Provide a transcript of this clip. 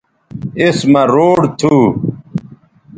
اس مہ روڈ تھو